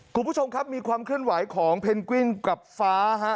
คุณผู้ชมครับมีความเคลื่อนไหวของเพนกวินกับฟ้าฮะ